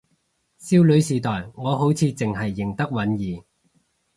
少女時代我好似淨係認得允兒